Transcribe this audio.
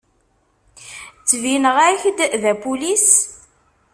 Ttbineɣ-ak-d d apulis?